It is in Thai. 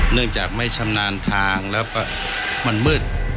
เนื่องจากไม่ชำนาญทางแล้วมันมืด